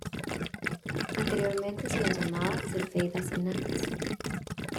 Anteriormente se las llamaba "Cefeidas Enanas".